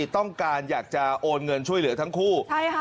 ต้องการอยากจะโอนเงินช่วยเหลือทั้งคู่